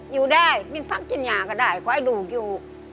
อยู่ได้พักเจ้าหน่าก็ได้คว้ายลูกอยู่